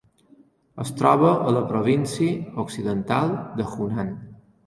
Es troba a la província occidental de Hunan.